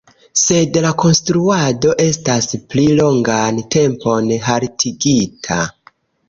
Sed la konstruado estas pli longan tempon haltigita.